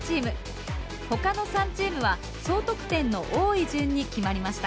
他の３チームは総得点の多い順に決まりました。